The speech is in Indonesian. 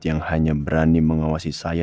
yang hanya berani mengawasi saya